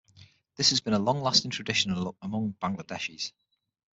This has been a long lasting tradition among Bangladeshis.